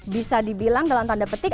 bisa dibilang dalam tanda petik